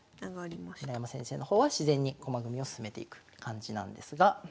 村山先生の方は自然に駒組みを進めていく感じなんですが。